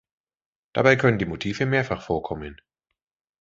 Dabei können die Motive mehrfach vorkommen.